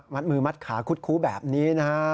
มัดมือมัดขาคุดคู้แบบนี้นะครับ